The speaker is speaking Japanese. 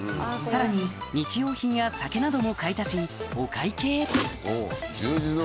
さらに日用品や酒なども買い足しお会計